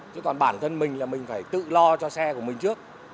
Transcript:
chứ còn bản thân mình là mình phải tự lo cho xe của mình trước